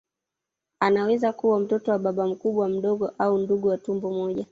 Anaweza kuwa mtoto wa baba mkubwa mdogo au ndugu wa tumbo moja